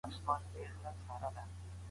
تیاره ورځ تر بلي په شا کیده.